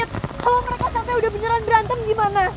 kalo mereka sampe udah beneran berantem gimana